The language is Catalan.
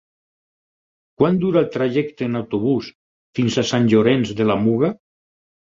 Quant dura el trajecte en autobús fins a Sant Llorenç de la Muga?